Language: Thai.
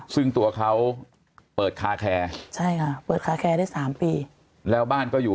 ซึ่งตัวเขาเปิดคาแคร์ใช่ค่ะเปิดคาแคร์ได้๓ปีแล้วบ้านก็อยู่